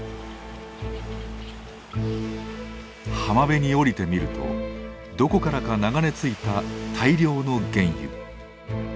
浜辺に降りてみるとどこからか流れ着いた大量の原油。